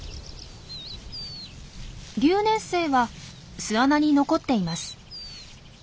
留年生は巣穴に残っています。